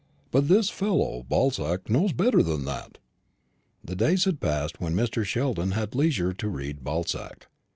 But this fellow Balzac knows better than that." The days had passed when Mr. Sheldon had leisure to read Balzac.